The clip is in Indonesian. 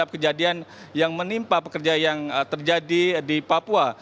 kejadian yang menimpa pekerja yang terjadi di papua